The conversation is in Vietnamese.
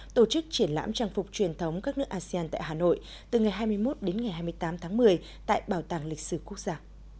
tổ chức triển lãm trang phục truyền thống các nước asean tại hà nội từ ngày hai mươi một đến ngày hai mươi tám tháng một mươi tại bảo tàng lịch sử quốc gia